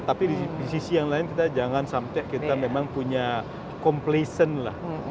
tapi di sisi yang lain kita jangan sampai kita memang punya complacent lah